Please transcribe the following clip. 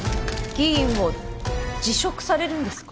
議員を辞職されるんですか？